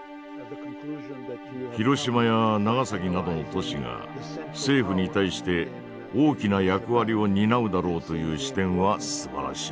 広島や長崎などの都市が政府に対して大きな役割を担うだろうという視点はすばらしい。